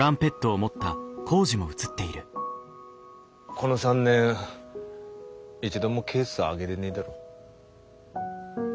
この３年一度もケース開げでねえだろ。